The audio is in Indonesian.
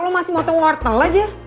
lo masih mau teng wortel aja